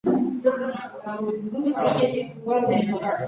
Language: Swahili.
akiwa na mwakilishi maalum wa umoja wa afrika Volker Perthes